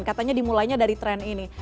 katanya dimulainya dari tren ini